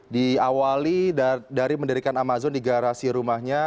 diawali dari mendirikan amazon di garasi rumahnya